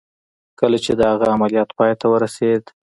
کله چې د هغه عملیات پای ته ورسېد